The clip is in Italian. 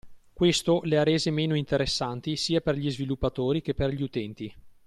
Questo le ha rese meno interessanti sia per gli sviluppatori che per gli utenti